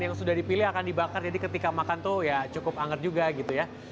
yang sudah dipilih akan dibakar jadi ketika makan tuh ya cukup anget juga gitu ya